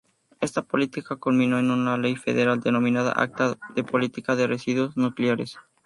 Esta política culminó en una ley federal denominada "Acta de política de residuos nucleares".